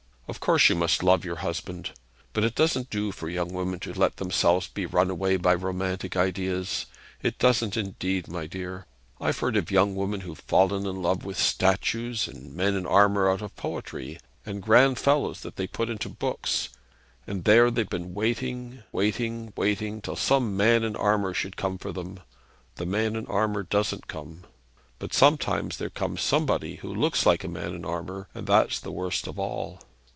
Of course you must love your husband. But it doesn't do for young women to let themselves be run away with by romantic ideas; it doesn't, indeed, my dear. I've heard of young women who've fallen in love with statues and men in armour out of poetry, and grand fellows that they put into books, and there they've been waiting, waiting, waiting, till some man in armour should come for them. The man in armour doesn't come. But sometimes there comes somebody who looks like a man in armour, and that's the worst of all.'